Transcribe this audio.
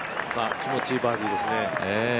気持ちいいバーディーですね。